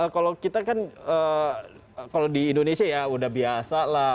kalau kita kan kalau di indonesia ya udah biasa lah